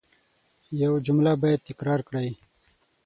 یو جمله باید تکرار کړئ.